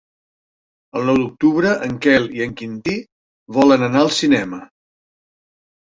El nou d'octubre en Quel i en Quintí volen anar al cinema.